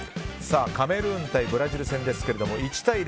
カメルーン対ブラジル戦ですが１対０。